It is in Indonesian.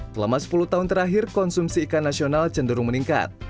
selama sepuluh tahun terakhir konsumsi ikan nasional cenderung meningkat